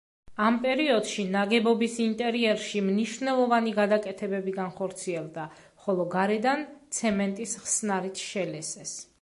ამ პერიოდში ნაგებობის ინტერიერში მნიშვნელოვანი გადაკეთებები განხორციელდა, ხოლო გარედან ცემენტის ხსნარით შელესეს.